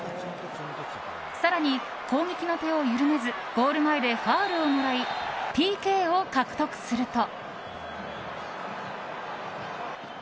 更に、攻撃の手を緩めずゴール前でファウルをもらいＰＫを獲得すると。